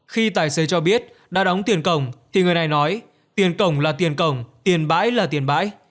khi tài xế cho biết đã đóng tiền cổng thì người này nói tiền cổng là tiền cổng tiền bãi là tiền bãi